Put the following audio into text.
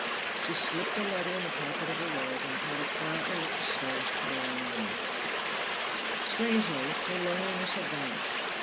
She slipped the letter in the pocket of her robe and padded quietly up the stairs to her own room. Strangely, her loneliness had vanished.